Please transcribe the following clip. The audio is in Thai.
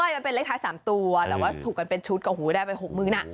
ที่ก็เป็นเลขท้ายสามตัวแต่ผุมชุดกับหูได้ไปหกมือน่ะ